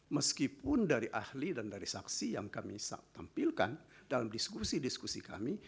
meskipun dari ahli dan dari saksi yang kami tampilkan dalam diskusi diskusi kami